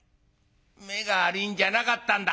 目が悪いんじゃなかったんだ。